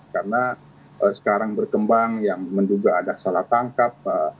karena sekarang berkembang yang menduga ada salah tangkap